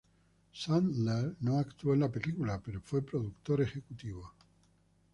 Sandler no actuó en la película, pero fue productor ejecutivo.